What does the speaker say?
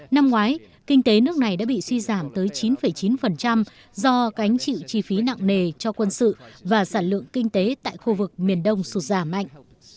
năm ngoái kinh tế nước này đã bị suy giảm tới chín chín do cánh chịu chi phí nặng nề cho quân sự và sản lượng kinh tế tại khu vực miền đông sụt giảm mạnh